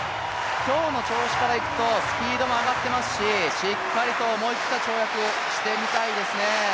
今日の調子からいくとスピードも上がってますししっかりと思い切った跳躍していきたいですね。